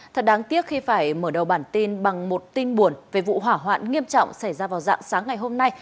thật đáng tiếc khi phải mở đầu bản tin bằng một tin buồn về vụ hỏa hoạn nghiêm trọng xảy ra vào dạng sáng ngày hôm nay